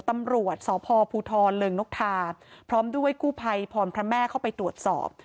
ตำรวจสพภูทรเริงนกทาพร้อมด้วยกู้ภัยพรพระแม่เข้าไปตรวจสอบ